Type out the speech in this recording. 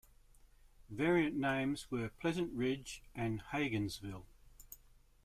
Variant names were Pleasant Ridge and Hagensville.